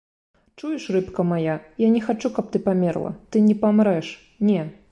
Чуеш, рыбка мая, я не хачу, каб ты памерла, ты не памрэш, не!